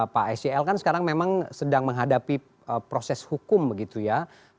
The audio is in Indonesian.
pak sel kan sekarang memang sedang menghadapi proses hukum begitu ya